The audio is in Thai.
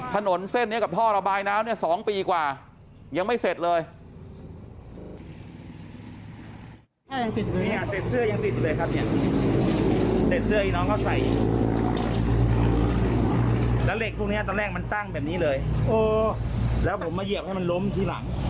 ถนนเส้นนี้กับท่อระบายน้ำเนี่ย๒ปีกว่ายังไม่เสร็จเลย